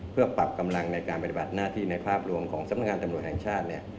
เพื่อปรับกำลังในการปฏิบัติหน้าที่ในภาพรวมของสำนักงานตำรวจแห่งชาติ